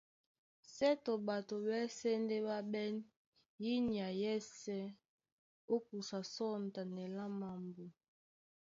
Sětɔ ɓato ɓásɛ̄ ndé ɓá ɓɛ́n yí nyay yɛ́sē ó kusa sɔ̂ŋtanɛ lá mambo.